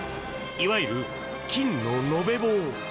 いわゆる金の延べ棒。